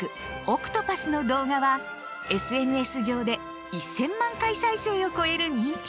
「海蛸子」の動画はＳＮＳ上で１，０００万回再生を超える人気に。